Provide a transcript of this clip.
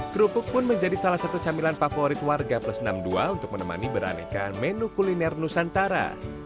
kerupuk pun menjadi salah satu camilan favorit warga plus enam puluh dua untuk menemani beraneka menu kuliner nusantara